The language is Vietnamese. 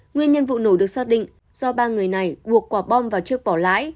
nguyên nhân vụ nổ được xác định do ba người này buộc quả bom vào trước bỏ lãi